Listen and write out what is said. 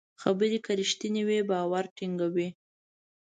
خبرې که رښتینې وي، باور ټینګوي.